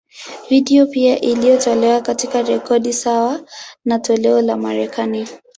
Video pia iliyotolewa, katika rekodi sawa na toleo la Marekani.